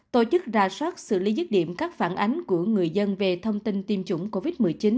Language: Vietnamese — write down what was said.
tổ chức ra soát xử lý dứt điểm các phản ánh của người dân về thông tin tiêm chủng covid một mươi chín